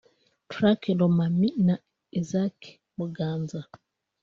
Frank Lomami na Isaac Muganza